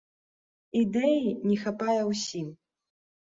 Ідэі не хапае ўсім.